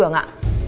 nó sẽ tìm ra